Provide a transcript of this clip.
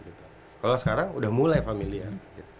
kalau sekarang udah mulai familiar